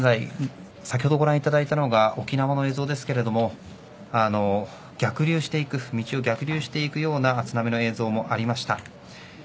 先ほどご覧いただいたのは沖縄の映像ですが逆流していく道を逆流していくような津波の映像もありました。